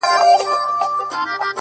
ما د هغې دنيا په فکر ميږی و نه وژنئ!!